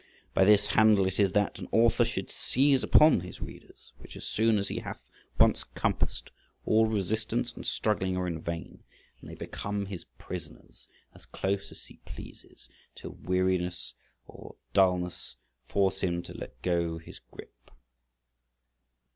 By this handle it is that an author should seize upon his readers; which as soon as he hath once compassed, all resistance and struggling are in vain, and they become his prisoners as close as he pleases, till weariness or dulness force him to let go his grip.